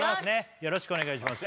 よろしくお願いします